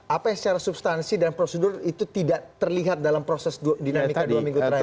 apa yang secara substansi dan prosedur itu tidak terlihat dalam proses dinamika dua minggu terakhir